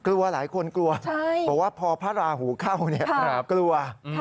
กลัวหลายคนกลัวเพราะว่าพอพระอาหูเข้าเนี่ยครับกลัวใช่